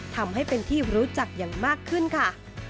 ทำให้เป็นที่รู้จักอย่างมากขึ้นค่ะ